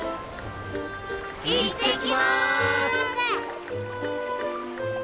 行ってきます！